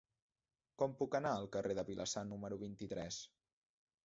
Com puc anar al carrer de Vilassar número vint-i-tres?